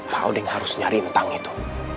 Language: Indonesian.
pak odeng harus nyari tang itu